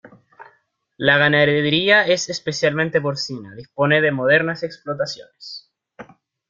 La ganadería es especialmente porcina, dispone de modernas explotaciones.